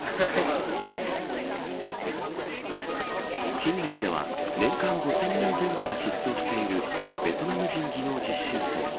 近年では年間５０００人前後が失踪しているベトナム人技能実習生。